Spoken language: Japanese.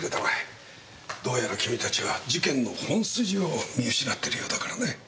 どうやら君たちは事件の本筋を見失っているようだからね。